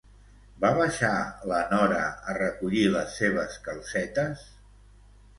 Va baixar la Nora a recollir les seves calcetes?